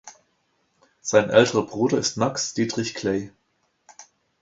Sein älterer Bruder ist Max Dietrich Kley.